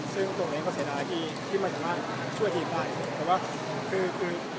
ซึ่งตรงนั้นเกิดเสนอที่พี่บากสำหรับช่วยทีมได้